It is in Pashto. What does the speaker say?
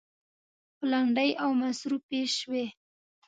خو لنډې او مصروفې شوې.